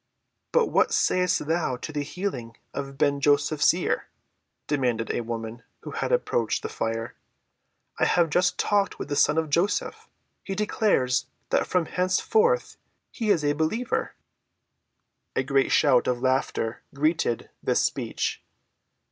"But what sayest thou to the healing of Ben‐Joseph's ear?" demanded a woman who had approached the fire. "I have just talked with the son of Joseph. He declares that from henceforth he is a believer." A great shout of laughter greeted this speech.